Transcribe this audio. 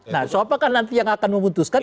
nah siapa kan nanti yang akan memutuskan